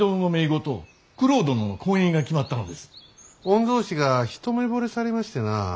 御曹司が一目ぼれされましてな。